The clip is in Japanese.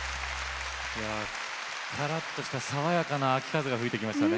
からっとした爽やかな秋風が吹いてきましたね。